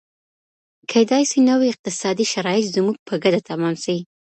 کیدای سي نوي اقتصادي شرایط زموږ په ګټه تمام سي.